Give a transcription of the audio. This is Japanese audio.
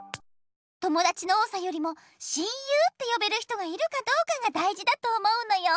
ともだちの多さよりも親友ってよべる人がいるかどうかがだいじだと思うのよ。